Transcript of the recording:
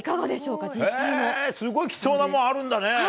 すごい貴重なものあるんだね。